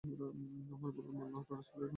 আমরা বললাম, আল্লাহ এবং তাঁর রাসূলই সম্যক জ্ঞাত।